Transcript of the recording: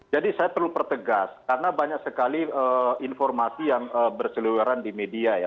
jadi saya perlu pertegas karena banyak sekali informasi yang berseluar di media ya